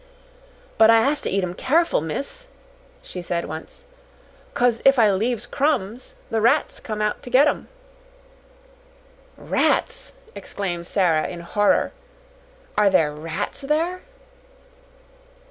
"But I has to eat 'em careful, miss," she said once; "'cos if I leaves crumbs the rats come out to get 'em." "Rats!" exclaimed Sara, in horror. "Are there RATS there?"